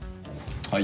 はい。